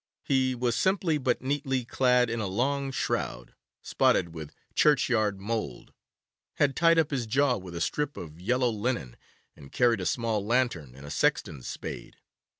He was simply but neatly clad in a long shroud, spotted with churchyard mould, had tied up his jaw with a strip of yellow linen, and carried a small lantern and a sexton's spade.